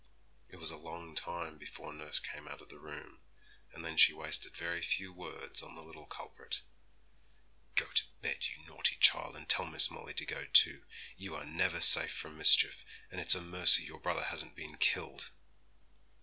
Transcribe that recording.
It was a long time before nurse came out of the room, and then she wasted very few words on the little culprit. 'Go to bed, you naughty child, and tell Miss Molly to go too. You are never safe from mischief, and it's a mercy your brother hasn't been killed.'